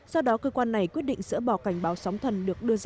sau đó cơ quan này quyết định dỡ bỏ cảnh báo sóng thần